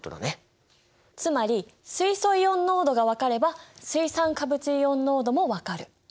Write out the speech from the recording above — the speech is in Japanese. つまり水素イオン濃度が分かれば水酸化物イオン濃度も分かる。